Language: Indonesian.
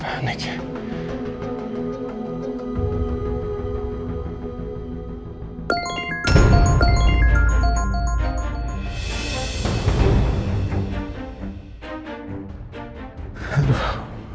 saya harus pergi dulu